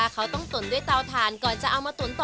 เขาต้องตุ๋นด้วยเตาถ่านก่อนจะเอามาตุ๋นต่อ